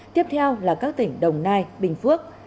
tiếp theo là các tỉnh đồng nai bình phước